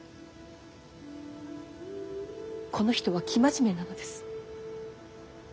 この人は生真面目なのです。